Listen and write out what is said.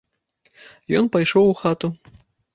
Ён пайшоў у хату.